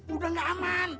udah gak aman